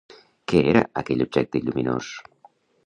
Què era aquell objecte lluminós?